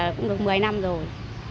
cũng được mười năm rồi